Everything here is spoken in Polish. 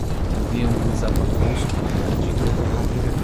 "Powiędły zapach wosku i kadzidła."